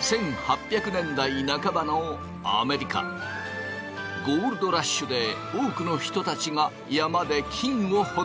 １８００年代半ばのアメリカゴールドラッシュで多くの人たちが山で金を掘っていた。